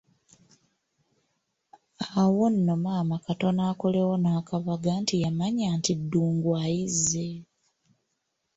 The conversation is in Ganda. Awo nno maama katono akolewo n'akabaga anti yamanya nti Ddungu ayizze.